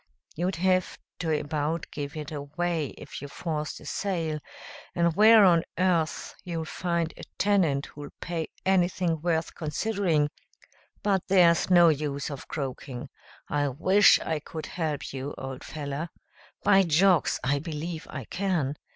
You'd have to about give it away if you forced a sale, and where on earth you'll find a tenant who'll pay anything worth considering But there's no use of croaking. I wish I could help you, old feller. By jocks! I believe I can.